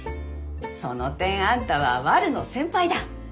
その点あんたはワルの先輩だ。